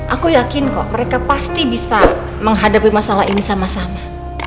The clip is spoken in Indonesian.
aku yakin kok mereka pasti bisa menghadapi masalah ini sama sama